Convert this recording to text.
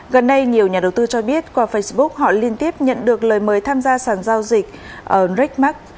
gần đây nhiều nhà đầu tư cho biết qua facebook họ liên tiếp nhận được lời mời tham gia sản giao dịch rackmax